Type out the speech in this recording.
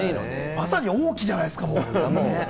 まさに王騎じゃないですか。